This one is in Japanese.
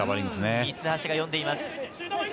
三橋が呼んでいます。